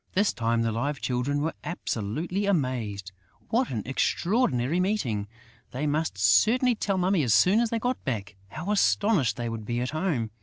This time, the Live Children were absolutely amazed. What an extraordinary meeting! They must certainly tell Mummy as soon as they got back! How astonished they would be at home!